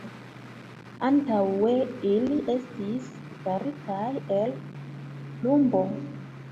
Antaŭe ili estis faritaj el plumbo.